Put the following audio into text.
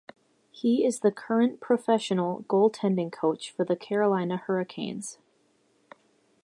He is the current professional goaltending coach for the Carolina Hurricanes.